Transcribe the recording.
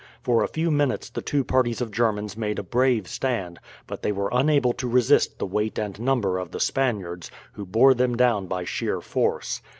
For a few minutes the two parties of Germans made a brave stand; but they were unable to resist the weight and number of the Spaniards, who bore them down by sheer force.